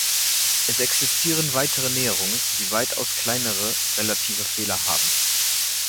Es existieren weitere Näherungen, die weitaus kleinere relative Fehler haben.